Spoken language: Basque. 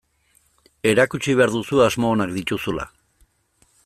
Erakutsi behar duzu asmo onak dituzula.